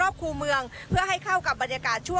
แต่วันพรุ่งนี้คนก็จะเยอะขึ้นค่ะ